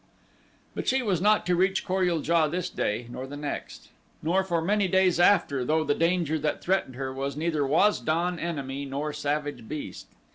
But she was not to reach Kor ul JA this day, nor the next, nor for many days after though the danger that threatened her was neither Waz don enemy nor savage beast.